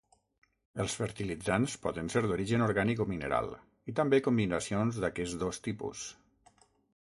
Els fertilitzants poden ser d'origen orgànic o mineral, i també combinacions d'aquests dos tipus.